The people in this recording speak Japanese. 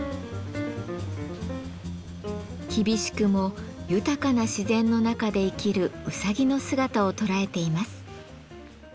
厳しくも豊かな自然の中で生きるうさぎの姿を捉えています。